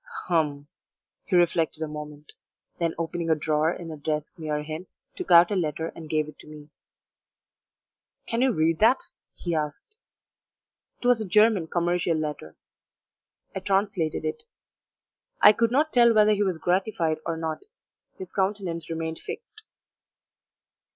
"Hum!" He reflected a moment, then opening a drawer in a desk near him took out a letter, and gave it to me. "Can you read that?" he asked. It was a German commercial letter; I translated it; I could not tell whether he was gratified or not his countenance remained fixed.